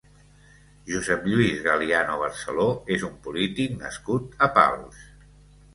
Josep Lluís Galiano Barceló és un polític nascut a Pals.